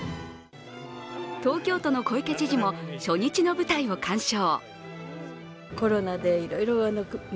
東京都の小池知事も初日の舞台を鑑賞。